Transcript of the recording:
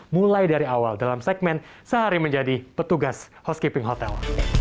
mulai dari awal dalam segmen sehari menjadi petugas housekeeping hotel